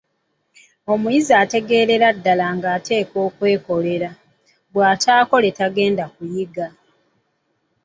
Omuyizi ategeerere ddala ng'ateekwa okwekolera, bw'atakola tagenda kuyiga.